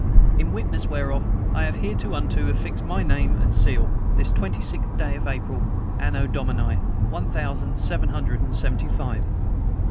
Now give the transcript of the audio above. In witness whereof, I have hereunto affixed my name and seal, this twenty sixth day of April, Anno Domini one thousand seven hundred and seventy five.